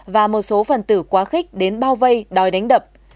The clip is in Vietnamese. và một số phần tử quá khích đến bao vây đòi đánh đập